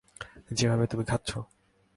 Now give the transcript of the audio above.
যেভাবে তুমি খাচ্ছ?